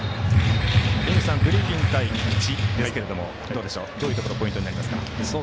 グリフィン対菊池ですがどういうところがポイントになりますか？